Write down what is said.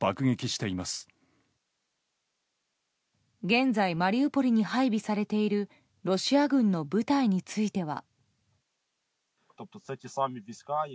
現在、マリウポリに配備されているロシア軍の部隊については。